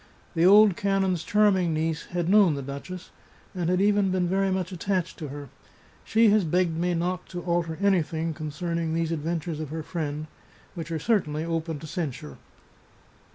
The old canon's charming niece had known the duchess, and had even been very much attached to her. She has begged me not to alter any thing concerning these adventures of her friend, which are certainly open to censure.